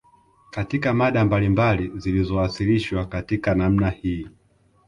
Katika mada mbalimbali zilizowasilishwa katika namna hii